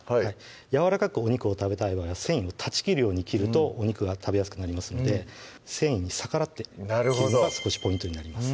やわらかくお肉を食べたい場合は繊維を断ち切るように切るとお肉が食べやすくなりますので繊維に逆らって切るのが少しポイントになります